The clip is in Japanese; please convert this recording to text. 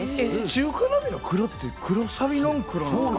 中華鍋の黒って黒サビの黒なんですか？